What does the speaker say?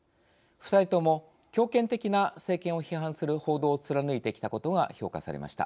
２人とも強権的な政権を批判する報道を貫いてきたことが評価されました。